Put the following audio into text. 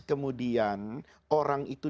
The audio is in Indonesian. kemudian orang itu